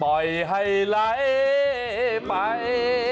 ปล่อยให้ไหลไป